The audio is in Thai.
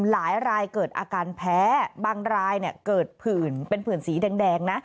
หลายรายเกิดอาการแพ้บางรายเกิดผื่นเป็นผื่นสีแดงนะ